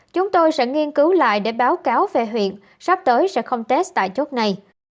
chúng tôi sẽ nghiên cứu lại để báo cáo về huyện sắp tới sẽ không test tại chốt này